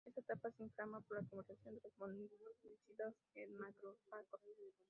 Esta capa se inflama por la conversión de los monocitos en macrófagos.